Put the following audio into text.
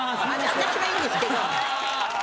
私はいいんですけど。